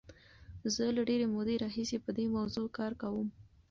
زه له ډېرې مودې راهیسې په دې موضوع کار کوم.